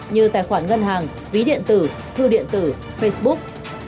như tài khoản ngân hàng ví điện tử thư điện tử facebook